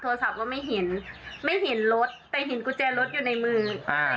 โทรศัพท์ก็ไม่เห็นไม่เห็นรถแต่เห็นกุญแจรถอยู่ในมืออ่า